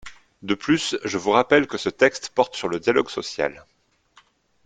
De plus, je vous rappelle que ce texte porte sur le dialogue social.